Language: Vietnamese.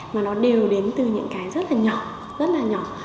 mà nó đều đến từ những cái rất là nhỏ rất là nhỏ